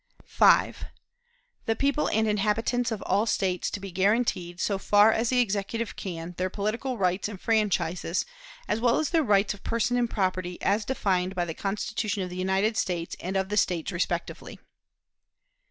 "5. The people and inhabitants of all States to be guaranteed, so far as the Executive can, their political rights and franchises, as well as their rights of person and property, as defined by the Constitution of the United States and of the States respectively.